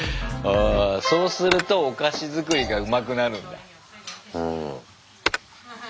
そうするとお菓子作りがうまくなるんだ。